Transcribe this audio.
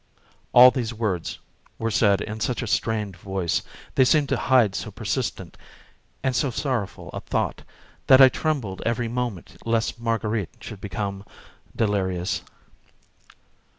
All these words were said in such a strained voice, they seemed to hide so persistent and so sorrowful a thought, that I trembled every moment lest Marguerite should become delirious.